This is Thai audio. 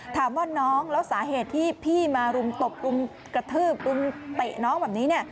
ถามว่าน้องแล้วสาเหตุที่พี่มารุมตบรุมกระทืบรุมเตะน้องแบบนี้